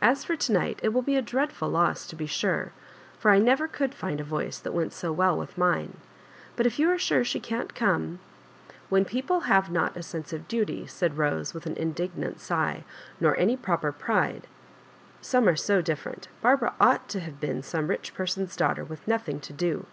As for to night it will be a dreadful loss to be sure, for I never could find a voice that went so well with mine. But if you are sure she can't come —"" When people have not a sense of duty," said Bose, Wifth an indignant sigh, "nor any proper pride —» Some are so different Barbara ought to have fieen some rich person's daughter, with nothing to do.